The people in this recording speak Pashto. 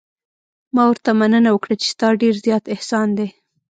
ما ورته مننه وکړه چې ستا ډېر زیات احسان دی.